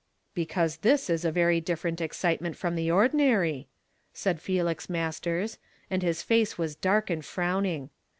"Because tliis is a very different excitement from the ordinary," said Felix Masters ; and his face was dark and frowning.